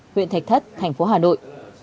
huyện thạch thất thành phố hà nội